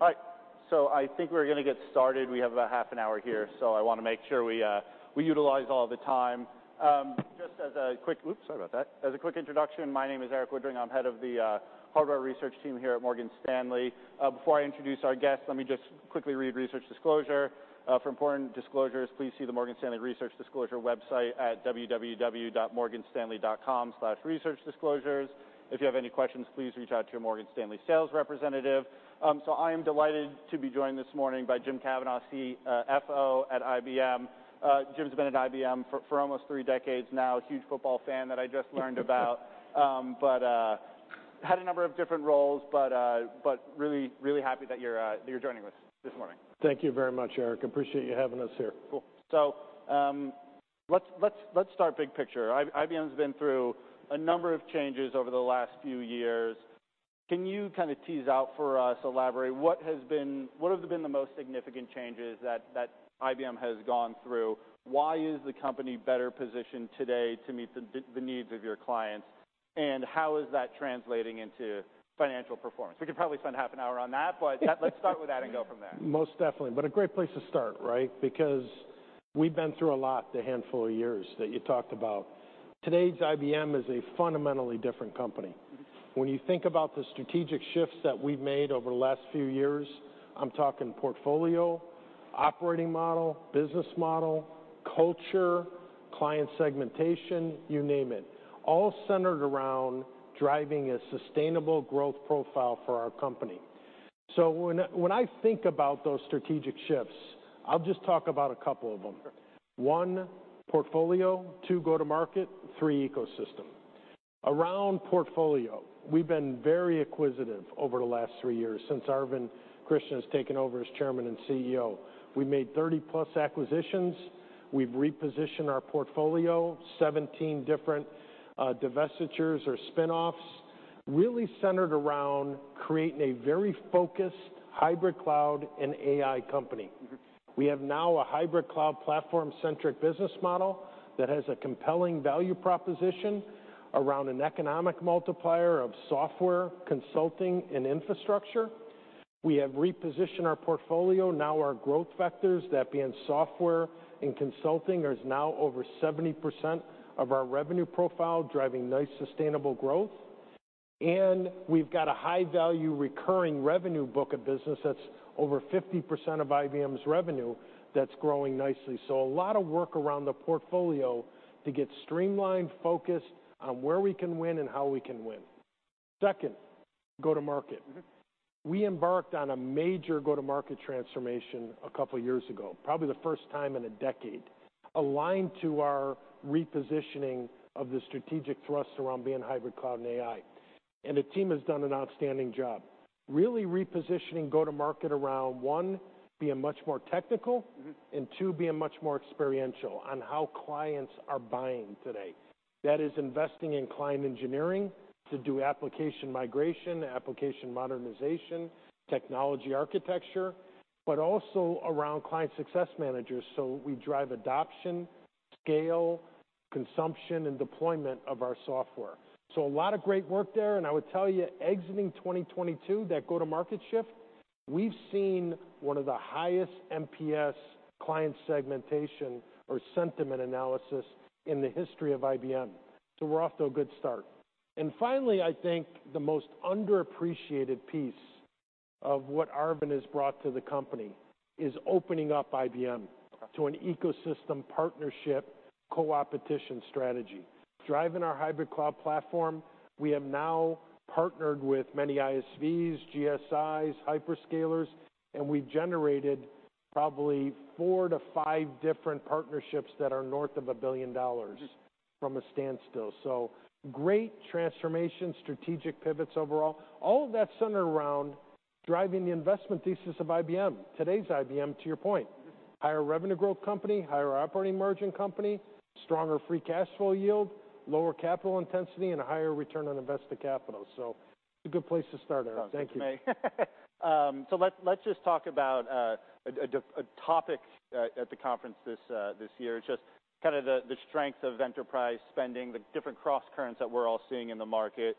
I think we are going to get started. We have about half an hour here. I want to make sure we utilize all the time. Just as a quick- oops, sorry about that. As a quick introduction, my name is Erik Woodring. I am head of the hardware research team here at Morgan Stanley. Before I introduce our guest, let me just quickly read research disclosure. For important disclosures, please see the Morgan Stanley Research Disclosure website at www.morganstanley.com/researchdisclosures. If you have any questions, please reach out to your Morgan Stanley sales representative. I am delighted to be joined this morning by James Kavanaugh, CFO at IBM. Jim has been at IBM for almost three decades now. A huge football fan that I just learned about. Had a number of different roles, but really happy that you are joining us this morning. Thank you very much, Erik. Appreciate you having us here. Cool. Let's start big picture. IBM has been through a number of changes over the last few years. Can you kind of tease out for us, elaborate, what have been the most significant changes that IBM has gone through? Why is the company better positioned today to meet the needs of your clients, and how is that translating into financial performance? We could probably spend half an hour on that. Let's start with that and go from there. Most definitely. A great place to start, right? We have been through a lot the handful of years that you talked about. Today's IBM is a fundamentally different company. When you think about the strategic shifts that we have made over the last few years, I am talking portfolio, operating model, business model, culture, client segmentation, you name it, all centered around driving a sustainable growth profile for our company. When I think about those strategic shifts, I will just talk about a couple of them. Sure. One, portfolio, two, go to market, three, ecosystem. Around portfolio, we've been very acquisitive over the last three years since Arvind Krishna has taken over as Chairman and CEO. We made 30-plus acquisitions. We've repositioned our portfolio, 17 different divestitures or spinoffs really centered around creating a very focused hybrid cloud and AI company. We have now a hybrid cloud platform-centric business model that has a compelling value proposition around an economic multiplier of software consulting and infrastructure. We have repositioned our portfolio. Now our growth vectors, that being software and consulting, is now over 70% of our revenue profile, driving nice sustainable growth. We've got a high-value recurring revenue book of business that's over 50% of IBM's revenue that's growing nicely. A lot of work around the portfolio to get streamlined, focused on where we can win and how we can win. Second, go to market. We embarked on a major go-to-market transformation a couple of years ago, probably the first time in a decade, aligned to our repositioning of the strategic thrust around being hybrid cloud and AI. The team has done an outstanding job, really repositioning go to market around, one, being much more technical- Two, being much more experiential on how clients are buying today. That is investing in client engineering to do application migration, application modernization, technology architecture, but also around client success managers, so we drive adoption, scale, consumption, and deployment of our software. A lot of great work there, and I would tell you, exiting 2022, that go-to-market shift, we've seen one of the highest NPS client segmentation or sentiment analysis in the history of IBM. We're off to a good start. Finally, I think the most underappreciated piece of what Arvind has brought to the company is opening up IBM to an ecosystem partnership co-opetition strategy. Driving our hybrid cloud platform, we have now partnered with many ISVs, GSIs, hyperscalers, and we've generated probably four to five different partnerships that are north of $1 billion- from a standstill. Great transformation, strategic pivots overall. All of that's centered around driving the investment thesis of IBM, today's IBM, to your point. Higher revenue growth company, higher operating margin company, stronger free cash flow yield, lower capital intensity, and a higher return on invested capital. It's a good place to start, Eric. Thank you. Let's just talk about a topic at the conference this year, just kind of the strength of enterprise spending, the different crosscurrents that we're all seeing in the market.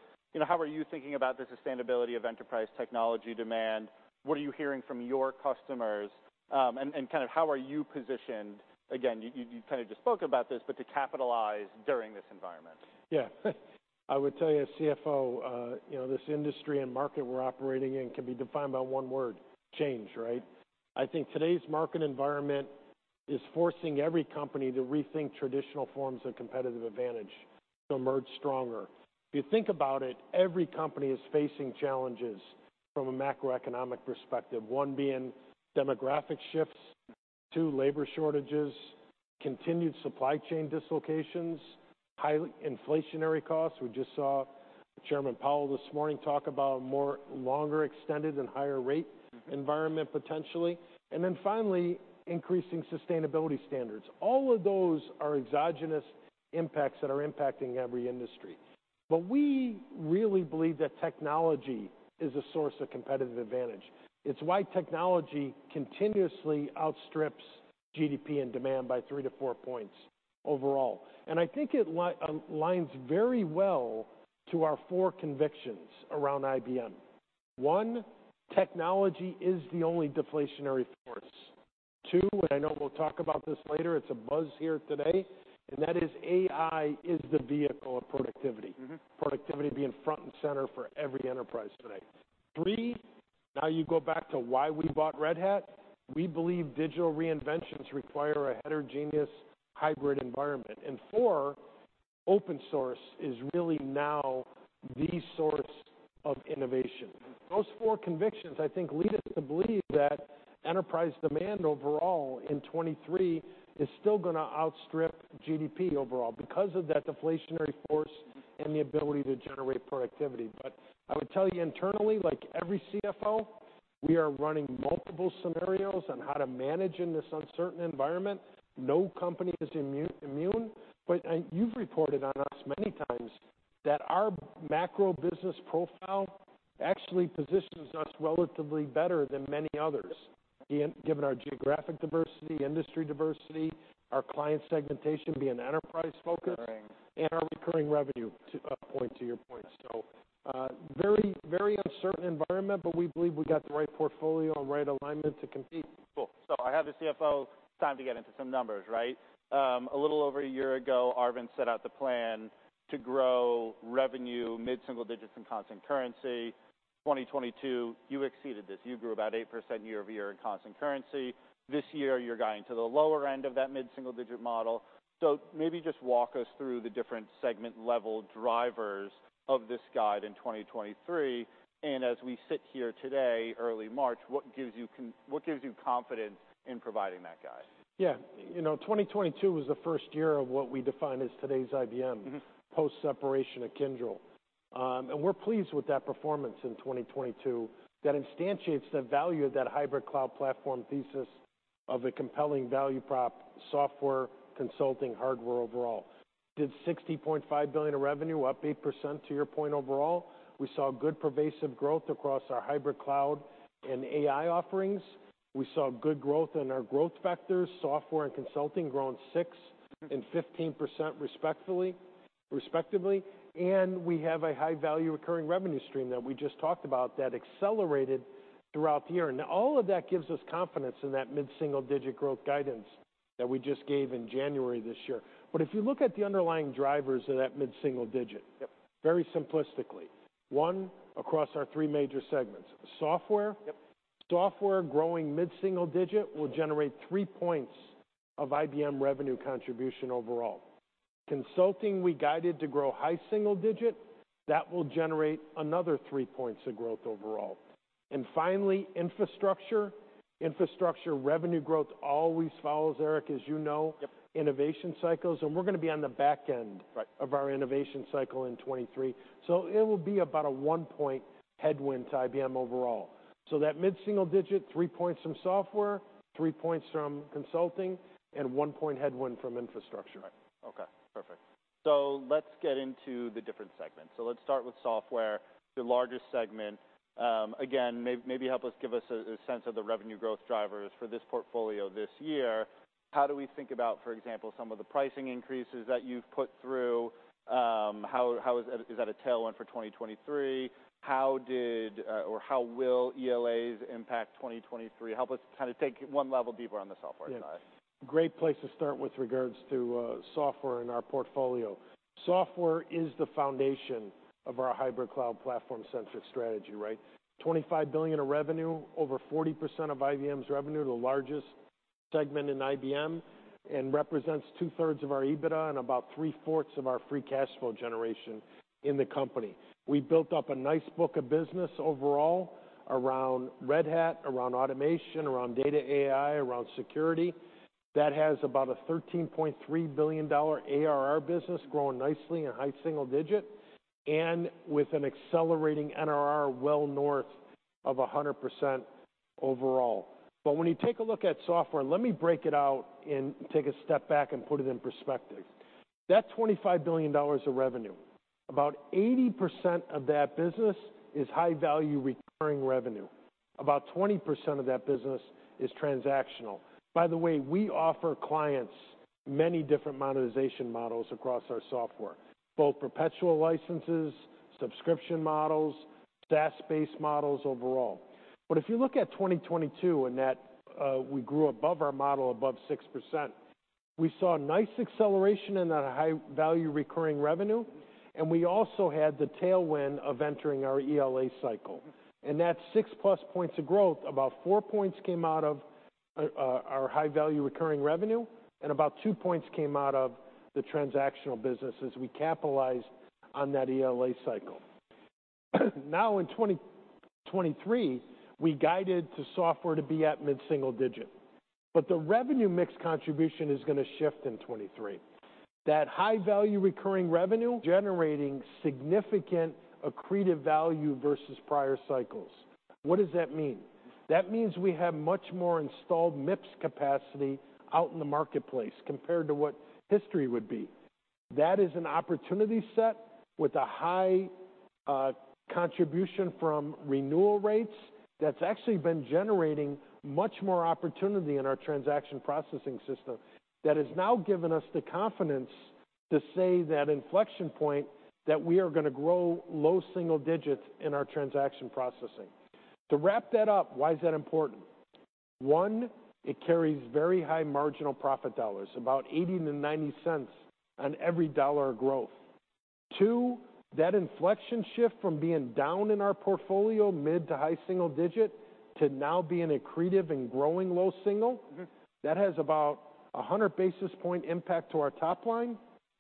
How are you thinking about the sustainability of enterprise technology demand? What are you hearing from your customers? Kind of how are you positioned, again, you kind of just spoke about this, to capitalize during this environment? Yeah. I would tell you as CFO, this industry and market we're operating in can be defined by one word, change, right? I think today's market environment is forcing every company to rethink traditional forms of competitive advantage to emerge stronger. If you think about it, every company is facing challenges from a macroeconomic perspective, one being demographic shifts, two, labor shortages, continued supply chain dislocations, high inflationary costs. We just saw Chairman Powell this morning talk about a more longer extended and higher rate environment potentially. Finally, increasing sustainability standards. All of those are exogenous impacts that are impacting every industry. We really believe that technology is a source of competitive advantage. It's why technology continuously outstrips GDP and demand by three to four points. Overall, I think it aligns very well to our four convictions around IBM. One, technology is the only deflationary force. Two, I know we'll talk about this later, it's a buzz here today, that is AI is the vehicle of productivity. Productivity being front and center for every enterprise today. Three, you go back to why we bought Red Hat. We believe digital reinventions require a heterogeneous hybrid environment. Four, open source is really now the source of innovation. Those four convictions, I think, lead us to believe that enterprise demand overall in 2023 is still going to outstrip GDP overall because of that deflationary force and the ability to generate productivity. I would tell you internally, like every CFO, we are running multiple scenarios on how to manage in this uncertain environment. No company is immune, you've reported on us many times that our macro business profile actually positions us relatively better than many others, given our geographic diversity, industry diversity, our client segmentation being enterprise-focused- Recurring our recurring revenue, to your point. Very uncertain environment, we believe we got the right portfolio and right alignment to compete. Cool. I have the CFO, time to get into some numbers, right? A little over a year ago, Arvind set out the plan to grow revenue mid-single digits in constant currency. 2022, you exceeded this. You grew about 8% year-over-year in constant currency. This year, you're guiding to the lower end of that mid-single digit model. Maybe just walk us through the different segment-level drivers of this guide in 2023. As we sit here today, early March, what gives you confidence in providing that guide? Yeah. 2022 was the first year of what we define as today's IBM. post-separation of Kyndryl. We're pleased with that performance in 2022 that instantiates the value of that hybrid cloud platform thesis of a compelling value prop software consulting hardware overall. Did $60.5 billion of revenue, up 8% to your point overall. We saw good pervasive growth across our hybrid cloud and AI offerings. We saw good growth in our growth vectors, software and consulting growing 6% and 15% respectively. We have a high-value recurring revenue stream that we just talked about that accelerated throughout the year. Now, all of that gives us confidence in that mid-single digit growth guidance that we just gave in January this year. If you look at the underlying drivers of that mid-single digit. Yep very simplistically, one, across our three major segments. Software. Yep software growing mid-single digit will generate three points of IBM revenue contribution overall. Consulting, we guided to grow high single digit. That will generate another three points of growth overall. Finally, infrastructure. Infrastructure revenue growth always follows, Erik, as you know. Yep innovation cycles. Right of our innovation cycle in 2023. It will be about a 1-point headwind to IBM overall. That mid-single digit, 3 points from Software, 3 points from Consulting, and 1-point headwind from Infrastructure. Right. Okay, perfect. Let's get into the different segments. Let's start with Software, the largest segment. Again, maybe help us give us a sense of the revenue growth drivers for this portfolio this year. How do we think about, for example, some of the pricing increases that you've put through? Is that a tailwind for 2023? How will ELAs impact 2023? Help us kind of take it 1 level deeper on the Software side. Yeah. Great place to start with regards to Software in our portfolio. Software is the foundation of our hybrid cloud platform-centric strategy, right? $25 billion of revenue, over 40% of IBM's revenue, the largest segment in IBM, and represents two-thirds of our EBITDA and about three-fourths of our free cash flow generation in the company. We built up a nice book of business overall around Red Hat, around automation, around data AI, around security. That has about a $13.3 billion ARR business growing nicely in high single digit, and with an accelerating NRR well north of 100% overall. When you take a look at Software, let me break it out and take a step back and put it in perspective. That $25 billion of revenue, about 80% of that business is high-value recurring revenue. About 20% of that business is transactional. We offer clients many different monetization models across our software, both perpetual licenses, subscription models, SaaS-based models overall. If you look at 2022, we grew above our model above 6%, we saw nice acceleration in that high-value recurring revenue, and we also had the tailwind of entering our ELA cycle. That 6-plus points of growth, about 4 points came out of our high-value recurring revenue, and about 2 points came out of the transactional business as we capitalized on that ELA cycle. In 2023, we guided to software to be at mid-single digit. The revenue mix contribution is going to shift in 2023. That high-value recurring revenue generating significant accretive value versus prior cycles. What does that mean? That means we have much more installed MIPS capacity out in the marketplace compared to what history would be. That is an opportunity set with a high contribution from renewal rates that's actually been generating much more opportunity in our transaction processing system that has now given us the confidence to say that inflection point, that we are going to grow low single digits in our transaction processing. To wrap that up, why is that important? 1, it carries very high marginal profit dollars, about $0.80-$0.90 on every dollar of growth. 2, that inflection shift from being down in our portfolio, mid to high single digit, to now being accretive and growing low single- That has about 100 basis point impact to our top line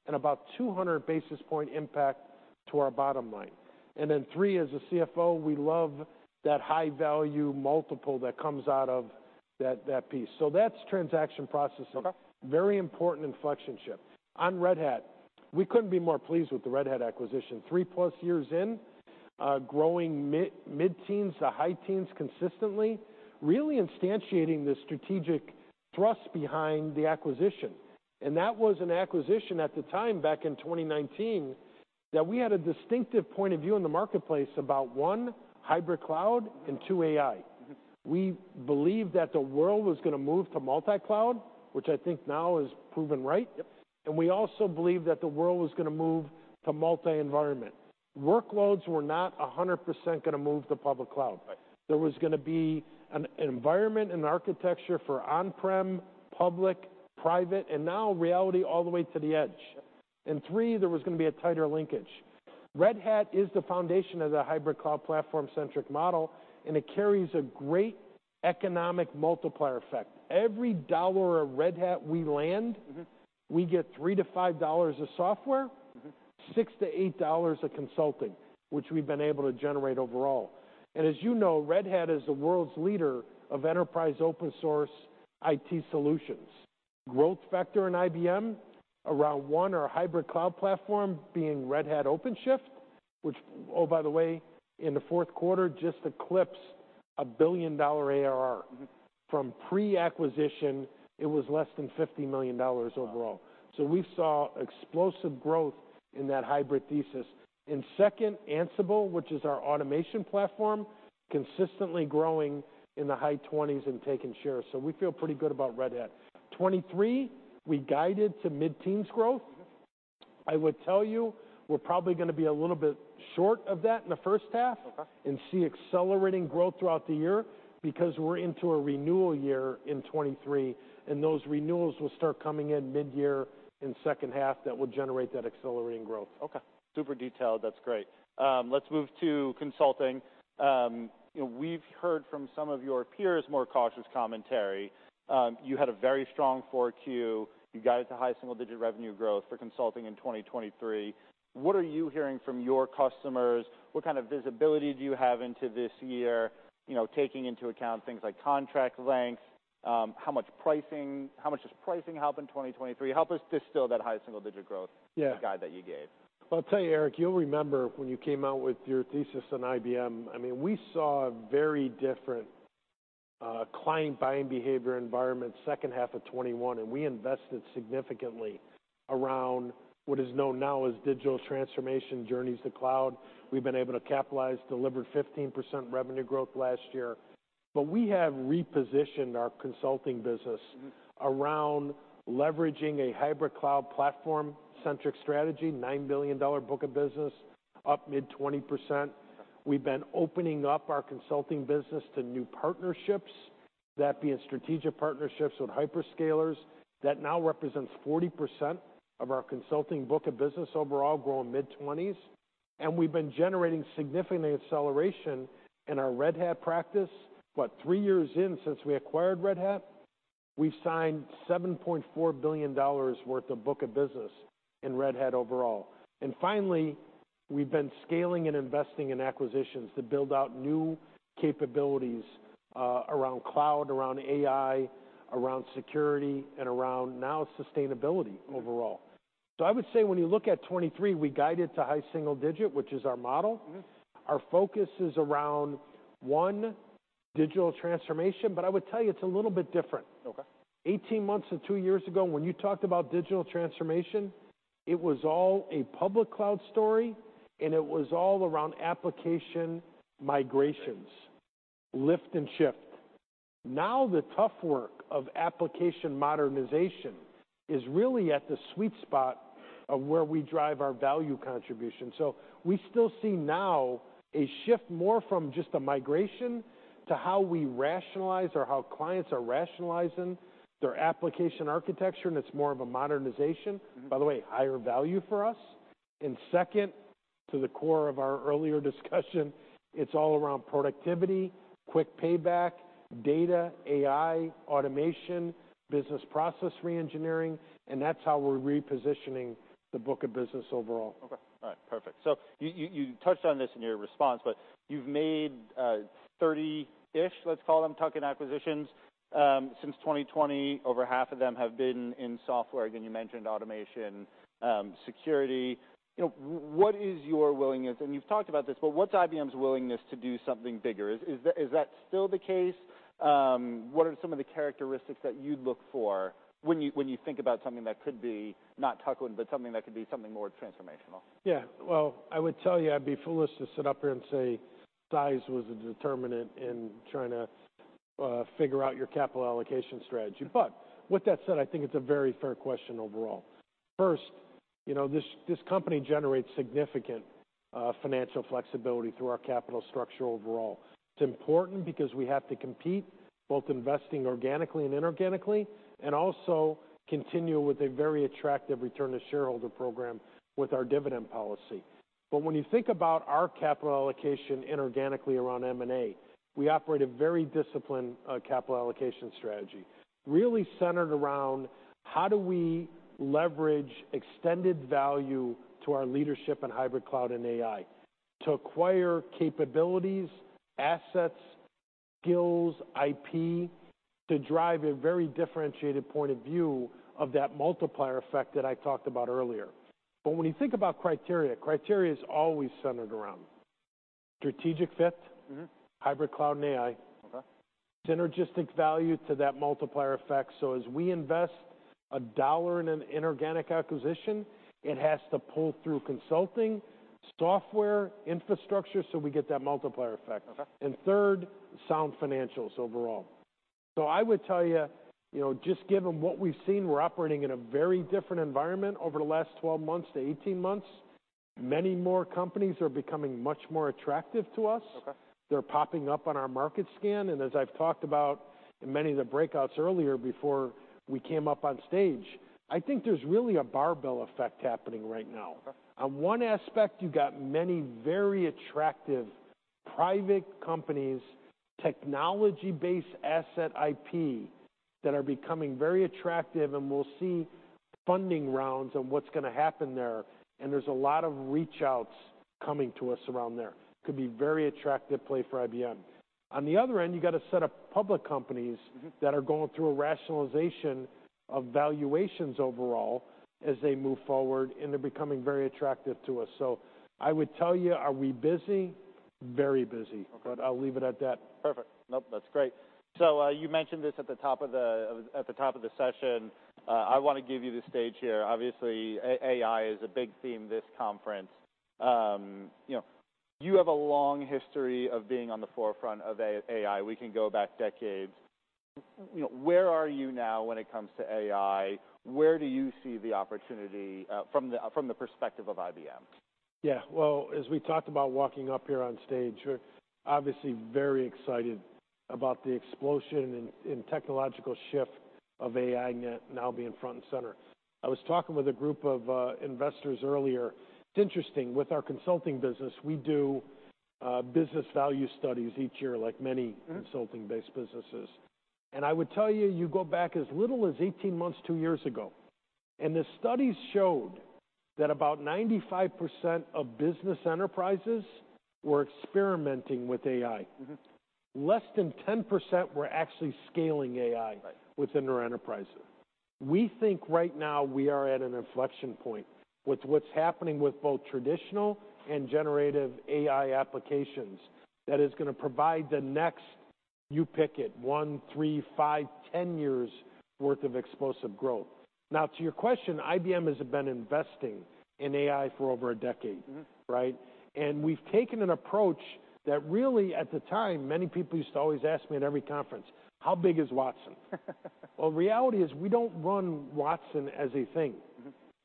and about 200 basis point impact to our bottom line. 3, as a CFO, we love that high value multiple that comes out of that piece. That's transaction processing. Okay. Very important inflection shift. On Red Hat, we couldn't be more pleased with the Red Hat acquisition. 3-plus years in, growing mid-teens to high teens consistently, really instantiating the strategic thrust behind the acquisition. That was an acquisition at the time, back in 2019, that we had a distinctive point of view in the marketplace about, 1, hybrid cloud, and 2, AI. We believed that the world was going to move to multi-cloud, which I think now is proven right. Yep. We also believed that the world was going to move to multi-environment. Workloads were not 100% going to move to public cloud. Right. There was going to be an environment and architecture for on-prem, public, private, and now reality all the way to the edge. Yep. Three, there was going to be a tighter linkage. Red Hat is the foundation of the hybrid cloud platform-centric model, and it carries a great economic multiplier effect. Every dollar of Red Hat we land. we get $3-$5 of software- $6-$8 of consulting, which we've been able to generate overall. As you know, Red Hat is the world's leader of enterprise open source IT solutions. Growth factor in IBM, around one, our hybrid cloud platform being Red Hat OpenShift, which, oh by the way, in the fourth quarter just eclipsed a $1 billion ARR. From pre-acquisition, it was less than $50 million overall. Wow. We saw explosive growth in that hybrid thesis. Second, Ansible, which is our automation platform, consistently growing in the high 20s and taking shares. We feel pretty good about Red Hat. 2023, we guided to mid-teens growth. I would tell you, we're probably going to be a little bit short of that in the first half- Okay See accelerating growth throughout the year because we're into a renewal year in 2023, and those renewals will start coming in mid-year, in second half, that will generate that accelerating growth. Okay. Super detailed. That's great. Let's move to consulting. We've heard from some of your peers more cautious commentary. You had a very strong 4Q. You guided to high single-digit revenue growth for consulting in 2023. What are you hearing from your customers? What kind of visibility do you have into this year, taking into account things like contract length? How much does pricing help in 2023? Help us distill that high single-digit growth- Yeah guide that you gave. I'll tell you, Erik, you'll remember when you came out with your thesis on IBM, we saw a very different client buying behavior environment second half of 2021, we invested significantly around what is known now as digital transformation journeys to cloud. We've been able to capitalize, delivered 15% revenue growth last year. We have repositioned our consulting business. around leveraging a hybrid cloud platform-centric strategy, $9 billion book of business, up mid 20%. Okay. We've been opening up our consulting business to new partnerships, that being strategic partnerships with hyperscalers. That now represents 40% of our consulting book of business overall, growing mid-20s. We've been generating significant acceleration in our Red Hat practice. What, three years in since we acquired Red Hat? We've signed $7.4 billion worth of book of business in Red Hat overall. Finally, we've been scaling and investing in acquisitions to build out new capabilities around cloud, around AI, around security, and around, now, sustainability overall. I would say when you look at 2023, we guided to high single digit, which is our model. Our focus is around, one, digital transformation, but I would tell you it's a little bit different. Okay. 18 months to two years ago, when you talked about digital transformation, it was all a public cloud story, and it was all around application migrations, lift and shift. Now the tough work of application modernization is really at the sweet spot of where we drive our value contribution. We still see now a shift more from just a migration to how we rationalize or how clients are rationalizing their application architecture, and it's more of a modernization. By the way, higher value for us. Second, to the core of our earlier discussion, it's all around productivity, quick payback, data, AI, automation, business process re-engineering, and that's how we're repositioning the book of business overall. Okay. All right. Perfect. You touched on this in your response, but you've made 30-ish, let's call them, tuck-in acquisitions since 2020. Over half of them have been in software. Again, you mentioned automation, security. What is your willingness, and you've talked about this, but what's IBM's willingness to do something bigger? Is that still the case? What are some of the characteristics that you look for when you think about something that could be not tuck-in, but something that could be something more transformational? Yeah. Well, I would tell you, I'd be foolish to sit up here and say Size was a determinant in trying to figure out your capital allocation strategy. With that said, I think it's a very fair question overall. First, this company generates significant financial flexibility through our capital structure overall. It's important because we have to compete, both investing organically and inorganically, and also continue with a very attractive return-to-shareholder program with our dividend policy. When you think about our capital allocation inorganically around M&A, we operate a very disciplined capital allocation strategy, really centered around how do we leverage extended value to our leadership in hybrid cloud and AI to acquire capabilities, assets, skills, IP, to drive a very differentiated point of view of that multiplier effect that I talked about earlier. When you think about criteria is always centered around strategic fit- hybrid cloud and AI. Okay. Synergistic value to that multiplier effect, so as we invest $1 in an inorganic acquisition, it has to pull through consulting, software, infrastructure, so we get that multiplier effect. Okay. Third, sound financials overall. I would tell you, just given what we've seen, we're operating in a very different environment over the last 12 months to 18 months. Many more companies are becoming much more attractive to us. Okay. They're popping up on our market scan. As I've talked about in many of the breakouts earlier before we came up on stage, I think there's really a barbell effect happening right now. Okay. On one aspect, you've got many very attractive private companies, technology-based asset IP, that are becoming very attractive. We'll see funding rounds and what's going to happen there. There's a lot of reach-outs coming to us around there. Could be very attractive play for IBM. On the other end, you got a set of public companies- That are going through a rationalization of valuations overall as they move forward. They're becoming very attractive to us. I would tell you, are we busy? Very busy. Okay. I'll leave it at that. Perfect. Nope, that's great. You mentioned this at the top of the session. I want to give you the stage here. Obviously, AI is a big theme this conference. You have a long history of being on the forefront of AI. We can go back decades. Where are you now when it comes to AI? Where do you see the opportunity from the perspective of IBM? Yeah. Well, as we talked about walking up here on stage, we're obviously very excited about the explosion in technological shift of AI now being front and center. I was talking with a group of investors earlier. It's interesting. With our consulting business, we do business value studies each year, like many. consulting-based businesses. I would tell you go back as little as 18 months, two years ago, and the studies showed that about 95% of business enterprises were experimenting with AI. Less than 10% were actually scaling AI. Right within their enterprises. We think right now we are at an inflection point with what's happening with both traditional and generative AI applications that is going to provide the next, you pick it, one, three, five, 10 years worth of explosive growth. To your question, IBM has been investing in AI for over a decade. Right? We've taken an approach that really, at the time, many people used to always ask me at every conference, "How big is Watson?" Well, reality is, we don't run Watson as a thing.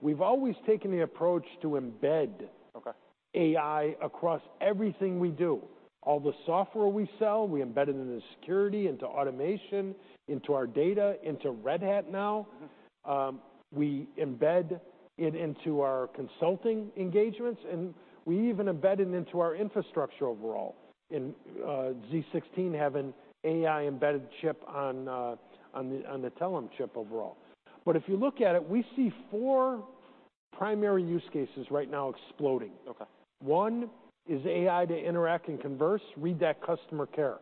We've always taken the approach to embed- Okay AI across everything we do. All the software we sell, we embed it into security, into automation, into our data, into Red Hat now. We embed it into our consulting engagements, we even embed it into our infrastructure overall, in z16 having AI embedded chip on the Telum chip overall. If you look at it, we see four primary use cases right now exploding. Okay. One is AI to interact and converse, read that customer care.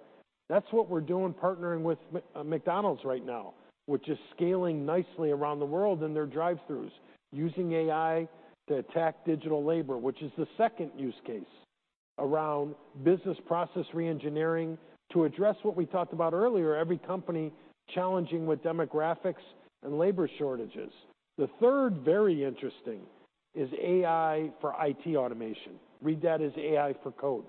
That's what we're doing partnering with McDonald's right now, which is scaling nicely around the world in their drive-throughs, using AI to attack digital labor, which is the second use case around business process reengineering to address what we talked about earlier, every company challenging with demographics and labor shortages. The third very interesting is AI for IT automation. Read that as AI for code.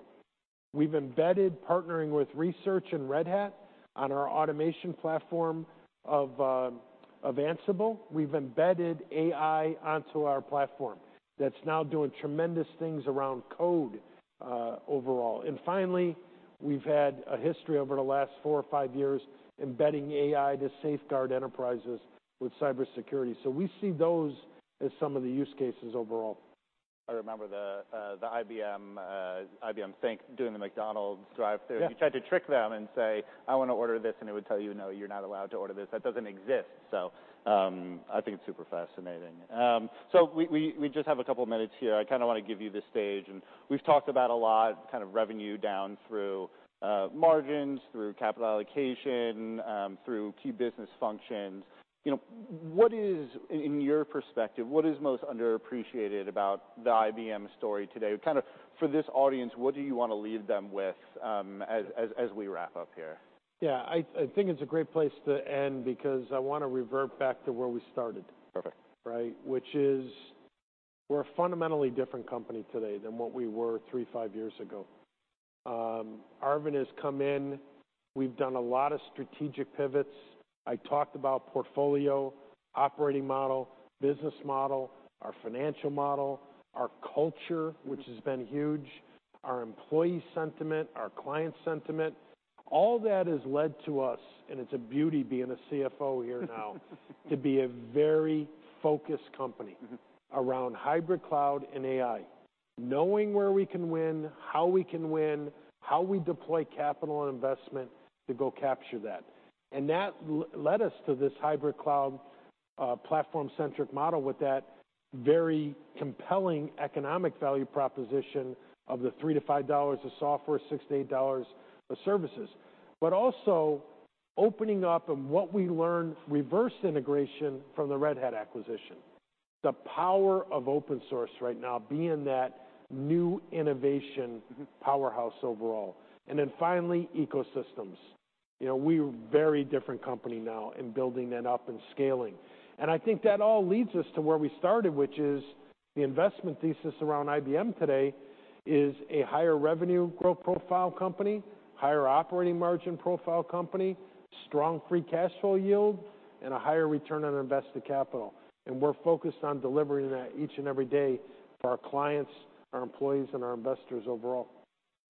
We've embedded partnering with research and Red Hat on our automation platform of Ansible. We've embedded AI onto our platform. That's now doing tremendous things around code overall. Finally, we've had a history over the last four or five years embedding AI to safeguard enterprises with cybersecurity. We see those as some of the use cases overall. I remember the IBM Think doing the McDonald's drive-through. Yeah. You tried to trick them and say, "I want to order this," and it would tell you, "No, you're not allowed to order this. That doesn't exist." I think it's super fascinating. We just have a couple of minutes here. I kind of want to give you the stage, we've talked about a lot, kind of revenue down through margins, through capital allocation, through key business functions. In your perspective, what is most underappreciated about the IBM story today? Kind of for this audience, what do you want to leave them with as we wrap up here? Yeah. I think it's a great place to end because I want to revert back to where we started. Perfect. Right? Which is we're a fundamentally different company today than what we were three, five years ago. Arvind has come in. We've done a lot of strategic pivots. I talked about portfolio, operating model, business model, our financial model, our culture. Which has been huge, our employee sentiment, our client sentiment. All that has led to us, and it's a beauty being a CFO here now, to be a very focused company. Around hybrid cloud and AI, knowing where we can win, how we can win, how we deploy capital and investment to go capture that. That led us to this hybrid cloud platform-centric model with that very compelling economic value proposition of the $3-$5 of software, $6-$8 of services. Also opening up and what we learned, reverse integration from the Red Hat acquisition. The power of open source right now being that new innovation. powerhouse overall. Finally, ecosystems. We're a very different company now in building that up and scaling. I think that all leads us to where we started, which is the investment thesis around IBM today is a higher revenue growth profile company, higher operating margin profile company, strong free cash flow yield, and a higher return on invested capital. We're focused on delivering that each and every day for our clients, our employees, and our investors overall.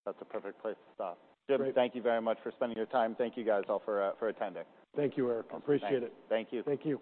That's a perfect place to stop. Great. Jim, thank you very much for spending your time. Thank you guys all for attending. Thank you, Eric. I appreciate it. Thank you. Thank you.